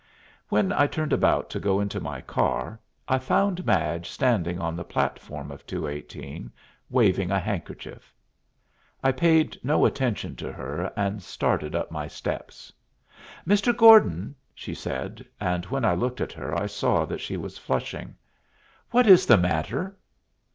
When I turned about to go into my car, I found Madge standing on the platform of 218 waving a handkerchief. I paid no attention to her, and started up my steps. "Mr. Gordon," she said, and when I looked at her I saw that she was flushing, "what is the matter?"